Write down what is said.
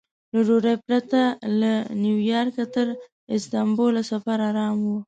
له ډوډۍ پرته له نیویارکه تر استانبوله سفر ارامه و.